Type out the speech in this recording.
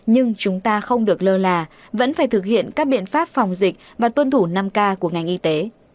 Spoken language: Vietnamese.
nhưng chúng ta không được lơ là vẫn phải thực hiện các biện pháp phòng dịch và tuân thủ năm k của ngành y tế